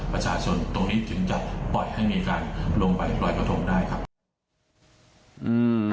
ตรงนี้ถึงจะปล่อยให้มีการลงไปปล่อยกระทงได้ครับ